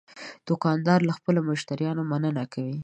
دوکاندار له خپلو مشتریانو مننه کوي.